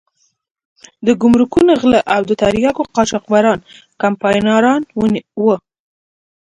د ګمرکونو غله او د تریاکو قاچاقبران کمپاینران وو.